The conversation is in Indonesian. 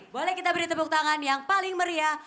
boleh kita beri tepuk tangan yang paling meriah